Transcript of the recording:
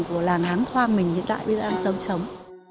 của làng háng thoang mình hiện tại bây giờ đang sống sống